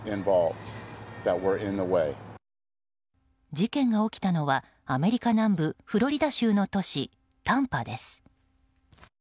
事件が起きたのはアメリカ南部フロリダ州の都市タンパです。